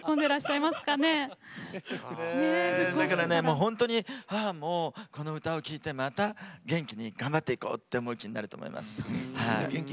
本当に、母も、この歌を聴いてまた元気に頑張っていこうと思う気になると思います。